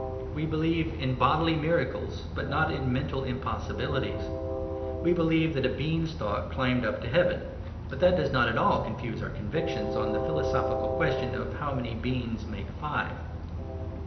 We believe in bodily miracles, but not in mental impossibilities. We believe that a Bean stalk climbed up to Heaven; but that does not at all confuse our convictions on the philosophical question of how many beans make five.